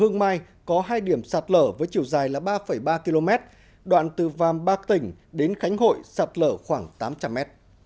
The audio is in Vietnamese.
hương mai có hai điểm sạt lở với chiều dài ba ba km đoạn từ vàm bạc tỉnh đến khánh hội sạt lở khoảng tám trăm linh m